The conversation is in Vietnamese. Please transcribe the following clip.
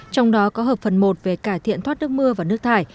trong đó có hợp phần một về cải thiện thoát nước mưa và nước thải